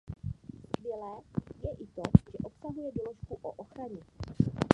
Skvělé je i to, že obsahuje doložku o ochraně.